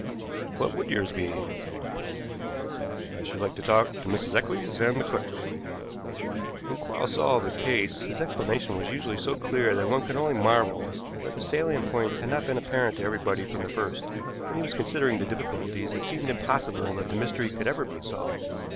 "What would yours be?" "I should like to talk to Mrs. Eccles and the clerk." When Quarles solved a case his explanation was usually so clear that one could only marvel that the salient points had not been apparent to everybody from the first; when he was considering the difficulties it seemed impossible that the mystery could ever be solved.